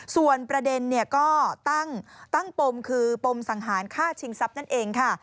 ส่วนประเด็นก็ตั้งปมคือปมสังหารฆ่าชิงทรัพย์นั่นเองค่ะ